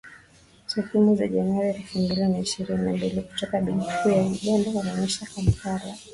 Takwimu za Januari elfu mbili na ishirini na mbili kutoka Benki Kuu ya Uganda, huonyesha Kampala inasafirisha kwenda Kongo